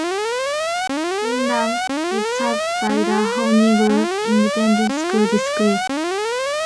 Windom is served by the Honey Grove Independent School District.